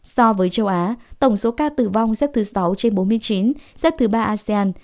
so với châu á tổng số ca tử vong xếp thứ sáu trên bốn mươi chín xếp thứ ba asean